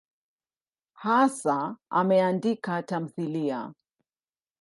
Hasa ameandika tamthiliya.